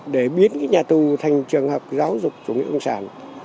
để biến nhà tù thành trường hợp giáo dục chủ nghĩa cộng sản